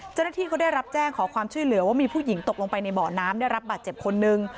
เจ้าหน้าที่เขาได้รับแจ้งขอความช่วยเหลือว่ามีผู้หญิงตกลงไปในเบาะน้ำได้รับบาดเจ็บคนนึง